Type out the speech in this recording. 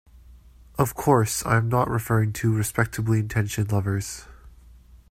Of course, I am not referring to respectably-intentioned lovers.